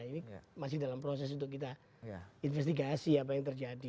ini masih dalam proses untuk kita investigasi apa yang terjadi